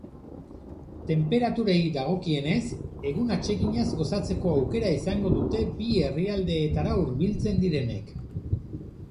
Tenperaturei dagokienez, egun atseginaz gozatzeko aukera izango dute bi herrialdeetara hurbiltzen direnek.